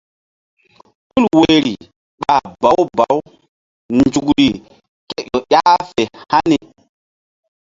Tul woyri ɓa bawu bawu nzukri ké ƴo ƴah fe hani.